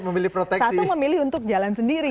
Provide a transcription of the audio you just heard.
memilih protes satu memilih untuk jalan sendiri